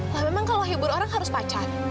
nah memang kalau hibur orang harus pacar